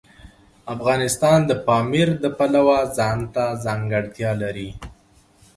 افغانستان د پامیر د پلوه ځانته ځانګړتیا لري.